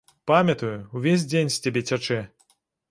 Памятаю, увесь дзень з цябе цячэ.